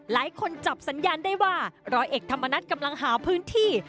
หลายคนจับสัญญาณได้ว่าร้อยเอกธรรมนัฐกำลังหาพื้นที่